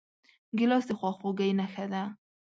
ګیلاس د خواخوږۍ نښه ده.